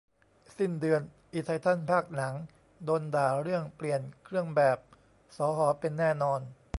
สิ้นเดือนอิไททันภาคหนังโดนด่าเรื่องเปลี่ยนเครื่องแบบสห เป็น แน่นอน